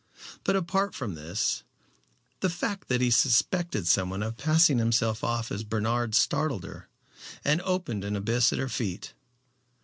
But, apart from this, the fact that he suspected someone of passing himself off as Bernard startled her, and opened an abyss at her feet.